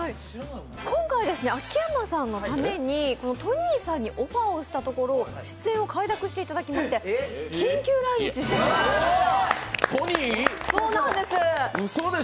今回、秋山さんのために、トニーさんにオファーしたところ出演を快諾していただきまして、緊急来日していただきました。